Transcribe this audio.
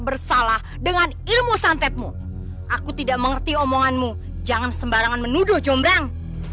bersalah dengan ilmu santetmu aku tidak mengerti omonganmu jangan sembarangan menuduh jombrang